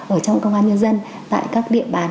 ở trong công an nhân dân tại các địa bàn